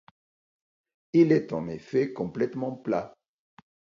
Il est en effet complètement plat.